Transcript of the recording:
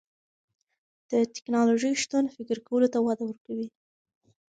د تکنالوژۍ شتون فکر کولو ته وده ورکوي.